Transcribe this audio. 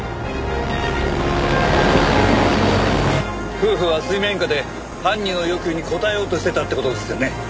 夫婦は水面下で犯人の要求に応えようとしてたって事ですよね。